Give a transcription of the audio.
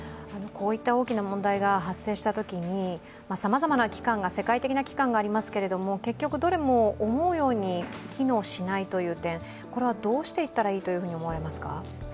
こういった大きな問題が発生したときにさまざまな世界的な機関がありますけど結局どれも思うように機能しない点はどうしていったらいいと思われますか。